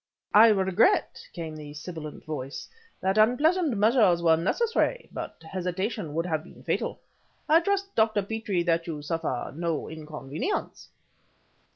"I regret," came the sibilant voice, "that unpleasant measures were necessary, but hesitation would have been fatal. I trust, Dr. Petrie, that you suffer no inconvenience?"